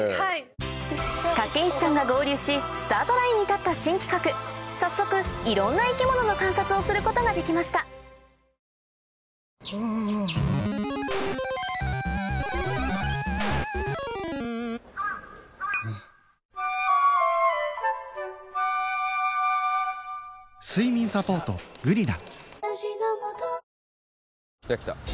武石さんが合流しスタートラインに立った新企画早速いろんな生き物の観察をすることができました睡眠サポート「グリナ」